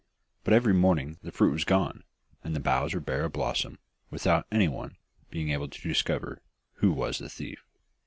But every morning the fruit was gone, and the boughs were bare of blossom, without anyone being able to discover who was the thief.